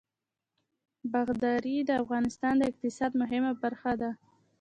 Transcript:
باغداري د افغانستان د اقتصاد مهمه برخه ده.